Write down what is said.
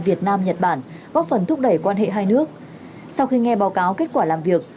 việt nam nhật bản góp phần thúc đẩy quan hệ hai nước sau khi nghe báo cáo kết quả làm việc